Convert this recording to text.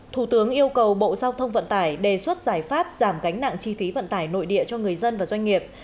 thủ tướng yêu cầu bộ giao thông vận tải đề xuất giải pháp giảm gánh nặng chi phí vận tải nội địa cho người dân và doanh nghiệp